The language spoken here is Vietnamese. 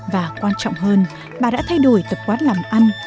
và quan trọng hơn bà đã thay đổi tập quát làm ăn